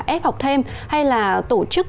ép học thêm hay là tổ chức